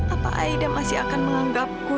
apa aida masih akan menganggapku